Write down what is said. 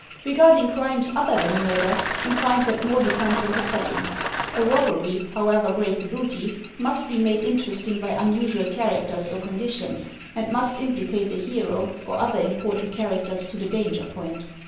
Regarding crimes other than murder, we find that more depends on the setting. A robbery, however great the booty, must be made interesting by unusual characters or condi tions, and must implicate the hero or other important char acters to the danger point.